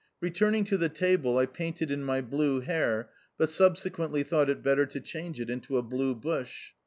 Returning to the table I painted in my blue hare, but subsequently thought it better to change it into a blue bush.